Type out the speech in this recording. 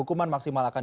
terima kasih pak